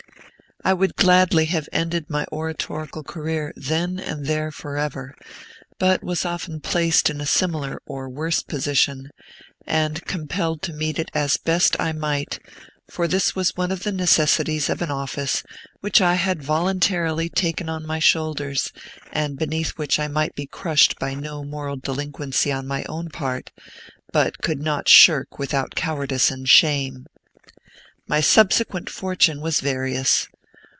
I would gladly have ended my oratorical career then and there forever, but was often placed in a similar or worse position, and compelled to meet it as I best might; for this was one of the necessities of an office which I had voluntarily taken on my shoulders, and beneath which I might be crushed by no moral delinquency on my own part, but could not shirk without cowardice and shame. My subsequent fortune was various.